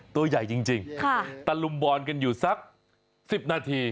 ตัวใหญ่จริงตะลุมบอลกันอยู่สัก๑๐นาที